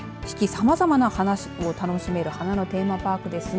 さまざまな花を楽しめる花のテーマパークです。